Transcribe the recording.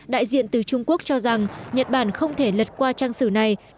đại diện từ trung quốc cho rằng nhật bản không thể lật qua trang sử này